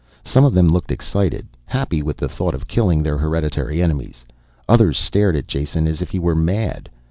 Some of them looked excited, happy with the thought of killing their hereditary enemies. Others stared at Jason as if he were mad.